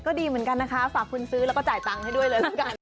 ก็ดีเหมือนกันนะคะฝากคุณซื้อแล้วก็จ่ายตังค์ให้ด้วยเลยละกัน